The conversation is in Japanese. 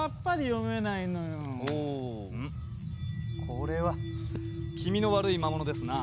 これは気味の悪い魔物ですな。